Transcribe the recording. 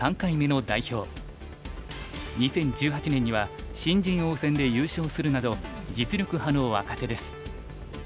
２０１８年には新人王戦で優勝するなど実力派の若手です。